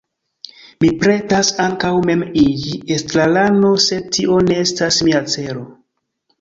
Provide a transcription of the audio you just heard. Mi pretas ankaŭ mem iĝi estrarano, sed tio ne estas mia celo.